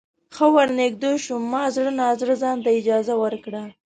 ښه ورنږدې شوم ما زړه نا زړه ځانته اجازه ورکړه.